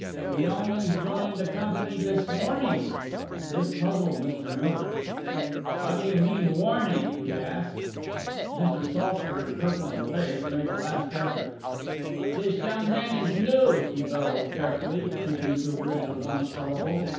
"He only joined the company this morning!" This puzzled Mr. Miller. "How do you mean, warning?" he asked. Mr. Saltzburg, purple in the face, made a last effort. "This young man is new," he bellowed carefully, keeping to words of one syllable.